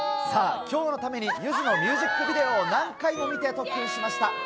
今日のために、ゆずのミュージックビデオを何回も見て、特訓しました。